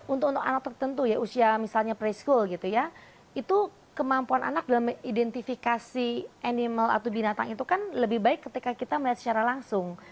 untuk anak tertentu ya usia misalnya preschool gitu ya itu kemampuan anak dalam identifikasi animal atau binatang itu kan lebih baik ketika kita melihat secara langsung